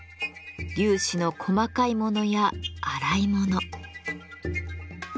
粒子の細かいものや粗いもの。